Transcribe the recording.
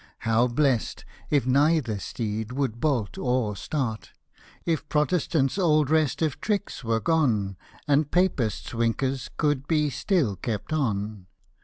How blest, if neither steed would bolt or start ;— If Protestanfs old restive tricks were gone, And PapisVs winkers could be still kept on